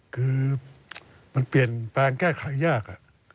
คือมันเปลี่ยนแปลงแก้ไขยาก